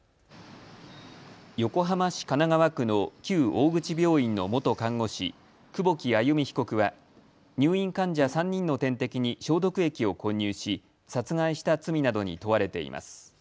横浜市神奈川区の旧大口病院の元看護師、久保木愛弓被告は入院患者３人の点滴に消毒液を混入し殺害した罪などに問われています。